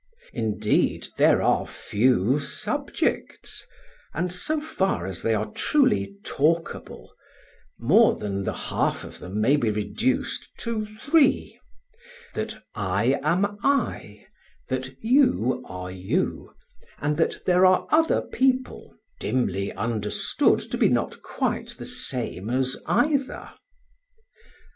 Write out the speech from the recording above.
Indeed, there are few subjects; and so far as they are truly talkable, more than the half of them may be reduced to three: that I am I, that you are you, and that there are other people dimly understood to be not quite the same as either.